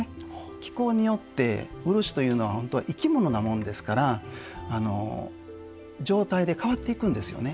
気候によって漆というのは本当は生き物なもんですから状態で変わっていくんですよね。